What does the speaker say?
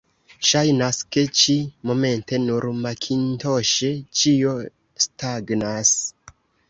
Ŝajnas, ke ĉi-momente nur makintoŝe ĉio stagnas.